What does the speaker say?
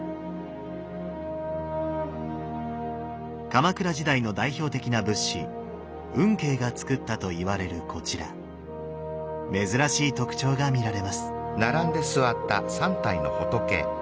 鎌倉時代の代表的な仏師運慶が造ったといわれるこちら珍しい特徴が見られます。